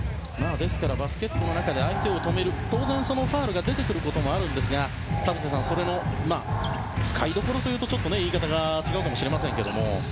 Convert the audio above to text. ですから、バスケットの中で相手を止めると当然、ファウルが出てくることもあるんですが田臥さんその使いどころというと言い方が違うかもしれませんが。